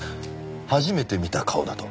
初めて見た顔だと。